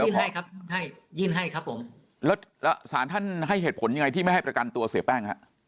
ให้ครับให้ยื่นให้ครับผมแล้วแล้วสารท่านให้เหตุผลยังไงที่ไม่ให้ประกันตัวเสียแป้งฮะ